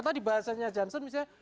tadi bahasanya janssen misalnya